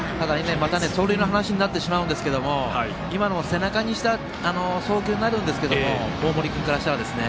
走塁の話になってしまうんですけど背中にした送球になるんですけど大森君からしたらですね。